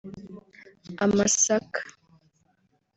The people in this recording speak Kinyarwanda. amasaka